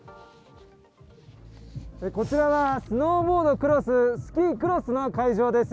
こちらはスノーボードクロス、スキークロスの会場です。